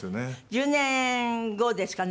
１０年後ですかね？